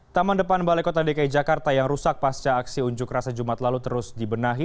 taman depan balai kota dki jakarta yang rusak pasca aksi unjuk rasa jumat lalu terus dibenahi